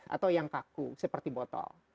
atau yang kaku seperti botol